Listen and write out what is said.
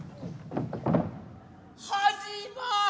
始まり！